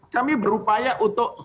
kami berupaya untuk